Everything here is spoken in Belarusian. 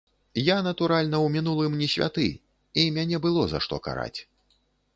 Я, натуральна, у мінулым не святы, і мяне было за што караць.